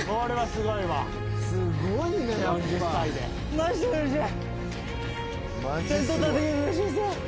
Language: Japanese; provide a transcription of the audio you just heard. マジでうれしい。